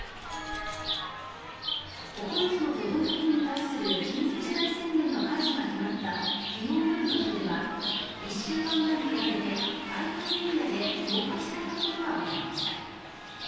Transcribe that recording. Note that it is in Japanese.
９つの都道府県に対する緊急事態宣言の解除が決まった昨日夜の人出は１週間前に比べて大半のエリアで増加していたことがわかりました。